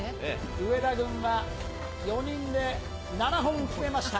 上田軍は４人で７本決めました。